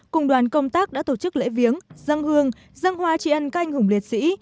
cùng đoàn công tác đã tổ chức lễ viếng răng hương răng hoa trí ân các anh hùng liệt sĩ